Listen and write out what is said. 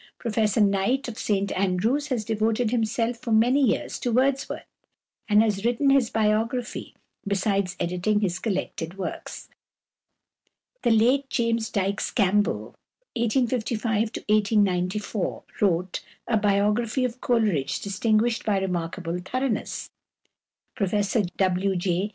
Professor Knight of St Andrews has devoted himself for many years to Wordsworth, and has written his biography besides editing his collected works. The late James Dykes Campbell (1835 1894) wrote a biography of Coleridge distinguished by remarkable thoroughness. Professor W. J.